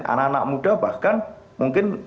anak anak muda bahkan mungkin